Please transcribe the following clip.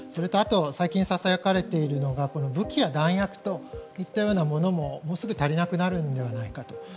あとは最近ささやかれているのは武器や弾薬といったようなものももうすぐ足りなくなるのではないかと。